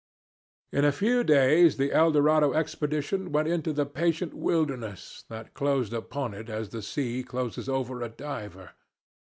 "In a few days the Eldorado Expedition went into the patient wilderness, that closed upon it as the sea closes over a diver.